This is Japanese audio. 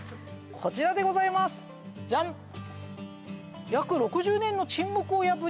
こちらでございますジャン！